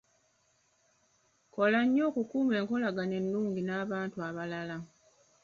Kola nnyo okukuuma enkolagana ennungi n'abantu abalala.